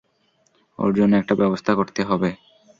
ওর জন্য একটা ব্যবস্থা করতে হবে।